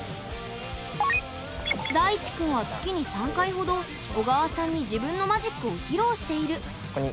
大智くんは月に３回ほど緒川さんに自分のマジックを披露している。